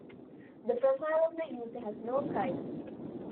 The profile of the user has no privacy.